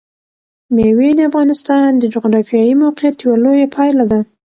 مېوې د افغانستان د جغرافیایي موقیعت یوه لویه پایله ده.